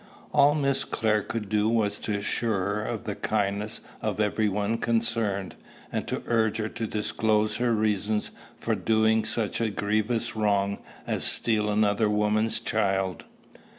All Miss Clare could do was to assure her of the kindness of every one concerned, and to urge her to disclose her reasons for doing such a grievous wrong as steal another woman's child.